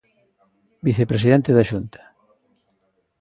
Vicepresidente da Xunta.